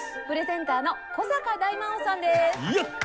プレゼンターの古坂大魔王さんです。